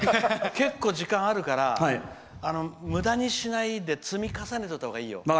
結構時間あるから無駄にしないで積み重ねておいたほうがいいよ。